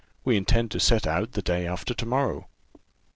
We intend to set out the day after to morrow."